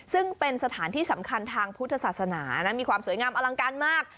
ซึ่งเป็นสถานที่สำคัญทางพุทธศาสนานะมีความสวยงามอลังการมาก